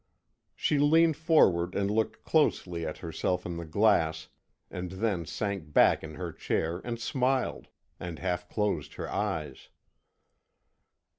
'" She leant forward and looked closely at herself in the glass, and then sank back in her chair and smiled, and half closed her eyes.